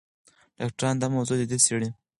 ډاکټران دا موضوع جدي څېړي.